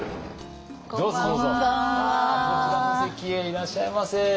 こちらの席へいらっしゃいませ。